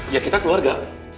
ya kita keluarga